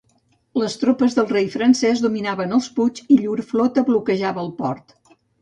Les tropes del rei francès dominaven els puigs i llur flota bloquejava el port.